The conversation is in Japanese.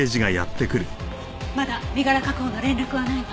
まだ身柄確保の連絡はないわ。